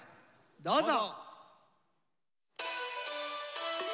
どうぞ！